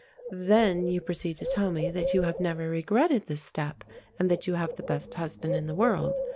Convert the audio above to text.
Then you proceed to tell me that you have never regretted this step, and that you have the best husband in the world.